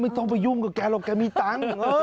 ไม่ต้องไปยุ่งกับแกรี่ก็มีตังค์